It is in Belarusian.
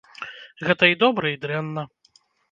Гэта і добра, і дрэнна.